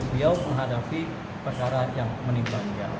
dia menghadapi perkara yang menimpa dia